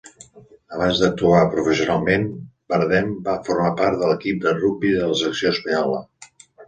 Abans d'actuar professionalment, Bardem va formar part de l'equip de rugbi de la selecció espanyola.